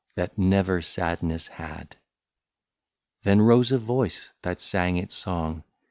That never sadness had. Then rose a voice that sang its song.